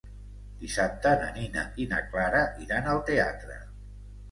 Dissabte na Nina i na Clara iran al teatre.